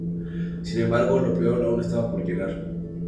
Sin embargo, lo peor aún estaba por llegar.